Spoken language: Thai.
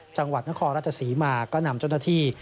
จังหวัดนครราชศรีมาก็นำเจ้าหน้าที่